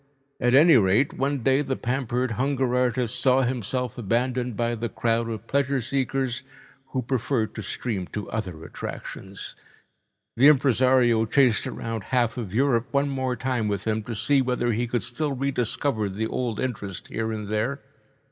At any rate, one day the pampered hunger artist saw himself abandoned by the crowd of pleasure seekers, who preferred to stream to other attractions. The impresario chased around half of Europe one more time with him, to see whether he could still re discover the old interest here and there.